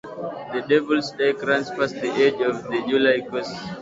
The Devil's Dyke runs past the edge of the July course.